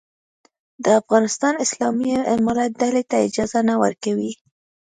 د افغانستان اسلامي امارت ډلې ته اجازه نه ورکوي.